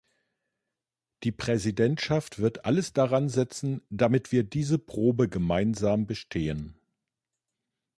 Die Präsidentschaft wird alles daransetzen, damit wir diese Probe gemeinsam bestehen.